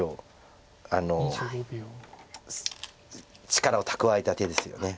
力を蓄えた手ですよね。